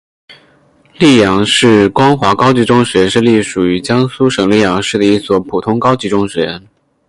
溧阳市光华高级中学是隶属于江苏省溧阳市的一所普通高级中学。